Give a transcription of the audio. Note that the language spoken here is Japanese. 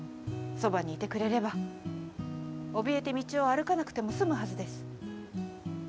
そばに居てくれれば怯えて道を歩かなくても済むはずです。